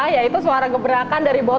yaitu suara gebrakan dari bawah